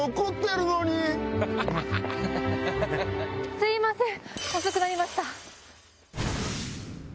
すいません！